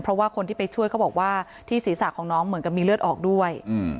เพราะว่าคนที่ไปช่วยเขาบอกว่าที่ศีรษะของน้องเหมือนกับมีเลือดออกด้วย